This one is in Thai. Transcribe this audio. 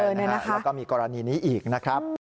แล้วก็มีกรณีนี้อีกนะครับ